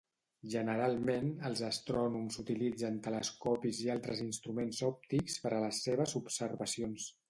Generalment, els astrònoms utilitzen telescopis i altres instruments òptics per a les seves observacions.